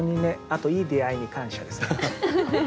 あといい出会いに感謝ですね。